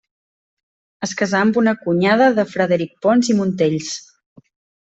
Es casà amb una cunyada de Frederic Pons i Montells.